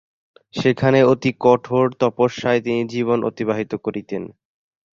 সেখানে অতি কঠোর তপস্যায় তিনি জীবন অতিবাহিত করিতেন।